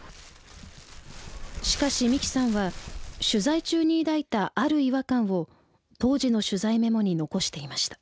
しかし三木さんは取材中に抱いたある違和感を当時の取材メモに残していました。